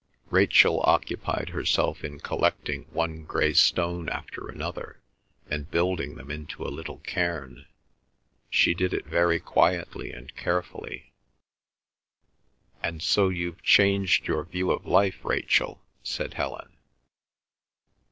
Rachel occupied herself in collecting one grey stone after another and building them into a little cairn; she did it very quietly and carefully. "And so you've changed your view of life, Rachel?" said Helen.